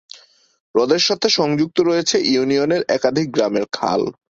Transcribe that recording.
হ্রদের সাথে সংযুক্ত হয়েছে ইউনিয়নের একাধিক গ্রামের খাল।